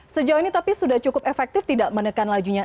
sejauh ini tapi sudah cukup efektif tidak menekan lajunya